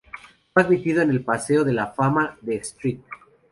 Fue admitido en el paseo de la fama de St.